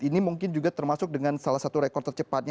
ini mungkin juga termasuk dengan salah satu rekor tercepatnya